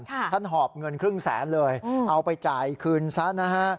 ท่านหอบเงินครึ่งแสนเลยเอาไปจ่ายคืนซะนะฮะ